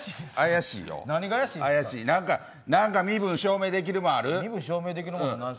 何か身分証明できるものある。